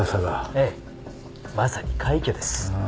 ええまさに快挙です。ああ。